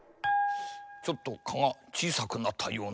ちょっと蚊がちいさくなったような。